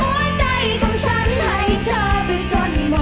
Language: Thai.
หัวใจของฉันให้เธอผิดจน